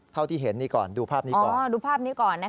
เท่าที่เห็นนี่ก่อนดูภาพนี้ก่อน